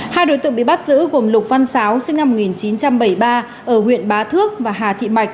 hai đối tượng bị bắt giữ gồm lục văn sáo sinh năm một nghìn chín trăm bảy mươi ba ở huyện bá thước và hà thị mạch